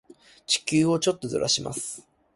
地球をちょっとずらします。